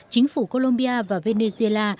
chính phủ colombia và venezuela